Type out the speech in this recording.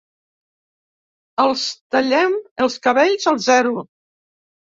Els tallem els cabells al zero.